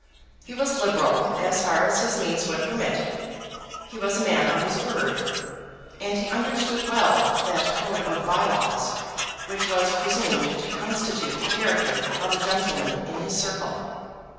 He was liberal as far as his means would permit; he was a man of his word; and he understood well that code of by laws which was presumed to constitute the character of a gentleman in his circle.